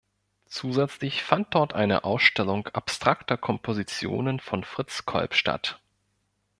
Zusätzlich fand dort eine Ausstellung abstrakter Kompositionen von Fritz Kolb statt.